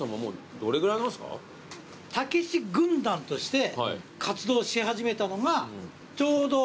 たけし軍団として活動し始めたのがちょうど。